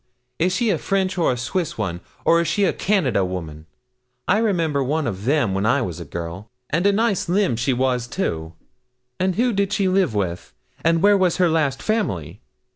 is she a French or a Swiss one, or is she a Canada woman? I remember one of them when I was a girl, and a nice limb she was, too! And who did she live with? Where was her last family?